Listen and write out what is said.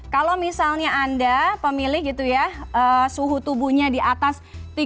kalau misalnya anda pemilih gitu ya suhu tubuhnya di atas tiga puluh